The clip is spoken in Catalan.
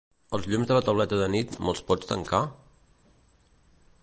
Els llums de la tauleta de nit, me'l pots tancar?